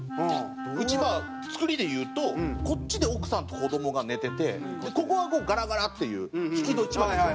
うちは造りでいうとこっちで奥さんと子どもが寝ててここはガラガラっていう引き戸一枚あるんですよ。